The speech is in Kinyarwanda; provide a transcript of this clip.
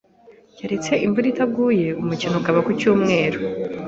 Keretse imvura itaguye, umukino uzaba ku cyumweru.